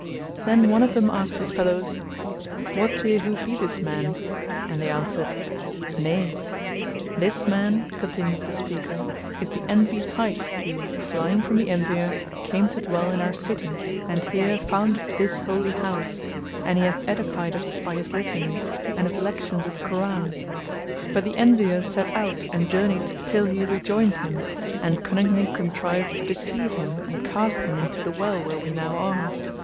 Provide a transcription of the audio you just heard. Then one of them asked his fellows, "Wot ye who be this man?" and they answered, "Nay." "This man," continued the speaker, "is the Envied hight who, flying from the Envier, came to dwell in our city, and here founded this holy house, and he hath edified us by his litanies[FN#219] and his lections of the Koran; but the Envier set out and journeyed till he rejoined him, and cunningly contrived to deceive him and cast him into the well where we now are.